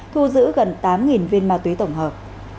thu giữ gần tám viên ma túy tổng hợp